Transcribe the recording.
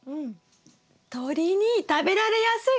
鳥に食べられやすい！